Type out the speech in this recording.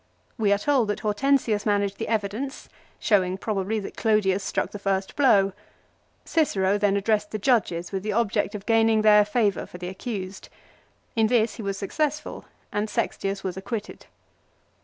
We are told that Hortensius managed the evidence, showing, probably, that Clodius struck the first blow. Cicero then addressed the judges with the object of gaining their favour HIS RETURN FROM EXILE. 27 for the accused. In this he was successful, and Sextius was acquitted.